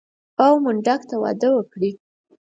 او منډک ته واده وکړي.